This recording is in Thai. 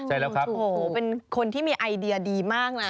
ใช่แล้วครับโอ้โหเป็นคนที่มีไอเดียดีมากนะ